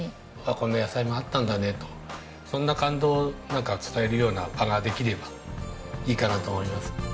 こんな野菜もあったんだねとそんな感動を伝えるような場ができればいいかなと思います。